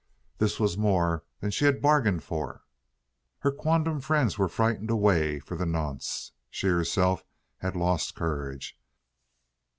This was more than she had bargained for. Her quondam friends were frightened away for the nonce. She herself had lost courage.